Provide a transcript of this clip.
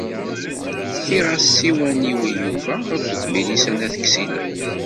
Fkiɣ-as ssiwan-iw i Yuba akked Milisa n At Ksila.